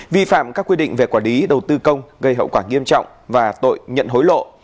vi phạm các quy định về quản lý đầu tư công gây hậu quả nghiêm trọng và tội nhận hối lộ